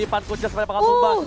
ipan kucil sebenarnya bakal tumbang